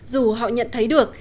dù họ nhận thấy được